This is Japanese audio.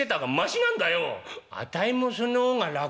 「あたいもその方が楽だな」。